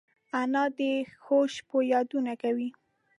انا د ښو شپو یادونه کوي